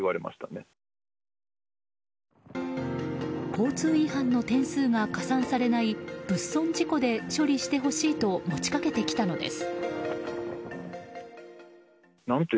交通違反の点数が加算されない物損事故で処理してほしいと持ち掛けてきたのです。